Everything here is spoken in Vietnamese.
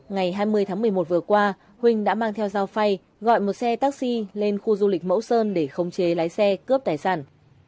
ngày hai mươi tháng một mươi một vừa qua huỳnh đã mang theo dao phay gọi một xe taxi lên khu du lịch mẫu sơn để khống chế lái xe cướp tài sản